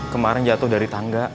kemarin jatuh dari tangga